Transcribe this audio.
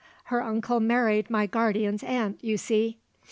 her uncle married my guardian's aunt, you see.